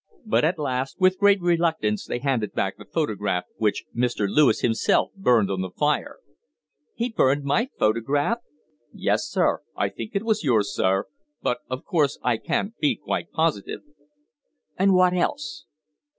But at last, with great reluctance, they handed back the photograph, which Mr. Lewis himself burned on the fire." "He burned my photograph!" "Yes, sir. I think it was yours, sir but of course I can't be quite positive." "And what else?"